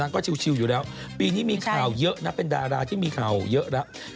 ก็ชิวอยู่แล้วปีนี้มีข่าวเยอะนะเป็นดาราที่มีข่าวเยอะแล้ว